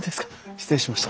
失礼しました。